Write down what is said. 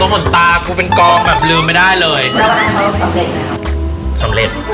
ใครสั่งเหล็ก